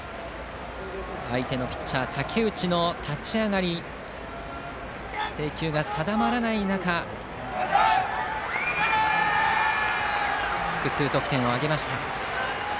相手のピッチャー武内の立ち上がり制球が定まらない中複数得点を挙げました。